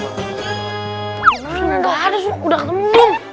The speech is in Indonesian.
enggak ada sudah kenung